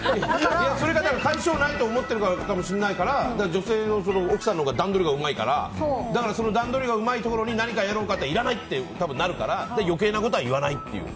甲斐性がないと思ってるから女性の奥さんのほうが段取りがうまいから段取りがうまいところに何かやろうとしてもいらないってなるから余計なことは言わないっていう。